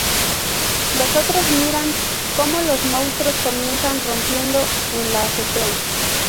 Los otros miran como los monstruos comienzan rompiendo en la azotea.